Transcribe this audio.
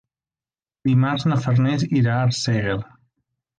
Dimarts na Farners irà a Arsèguel.